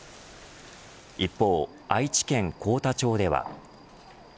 一方、愛知県幸田町では。